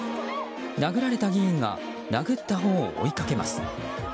殴られた議員が殴ったほうを追いかけます。